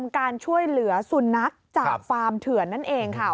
การช่วยเหลือสุนัขจากฟาร์มเถื่อนนั่นเองค่ะ